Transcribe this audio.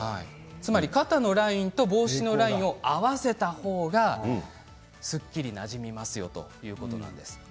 肩のラインと帽子のラインを合わせた方がすっきりなじみますよということなんです。